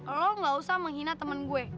elu nggak usah menghina temen gue